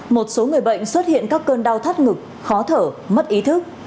một số người bệnh xuất hiện các cơn đau thắt ngực khó thở mất ý thức